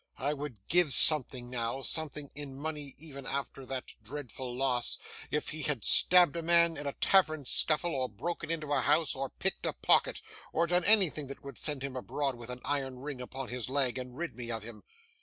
I would give something now something in money even after that dreadful loss if he had stabbed a man in a tavern scuffle, or broken into a house, or picked a pocket, or done anything that would send him abroad with an iron ring upon his leg, and rid me of him.